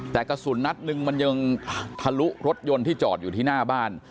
แต่กระสุนนัดหนึ่งมันยังทะลุรถยนต์ที่จอดอยู่ที่หน้าบ้าน